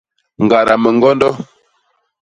Ñgada miñgondo.